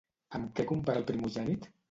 Amb què compara el primogènit?